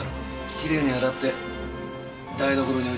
きれいに洗って台所に置いてあった。